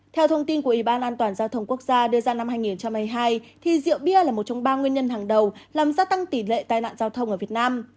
theo thông tin của ủy ban an toàn giao thông quốc gia đưa ra năm hai nghìn hai mươi hai thì rượu bia là một trong ba nguyên nhân hàng đầu làm gia tăng tỷ lệ tai nạn giao thông ở việt nam